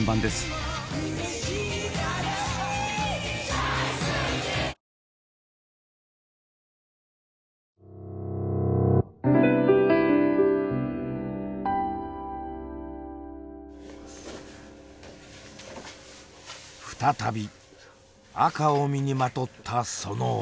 再び赤を身にまとったその男。